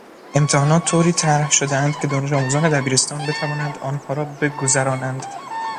امتحانات طوری طرح شدهاند که دانشآموزان دبیرستان بتوانند آنها را بگذرانند.